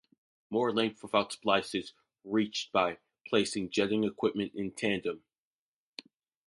More length without splice is reached by placing jetting equipment in tandem.